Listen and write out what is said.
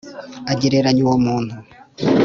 agereranya uwo muntu